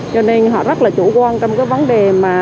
cho nên họ rất là chủ quan trong vấn đề